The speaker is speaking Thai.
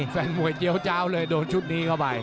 แฟนมวยเจี๊ยวเจ้าเลยโดนชุดนี้เข้าไป